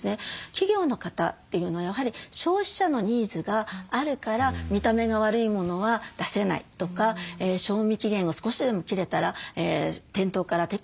企業の方というのはやはり消費者のニーズがあるから見た目が悪いものは出せないとか賞味期限が少しでも切れたら店頭から撤去しなくちゃいけない。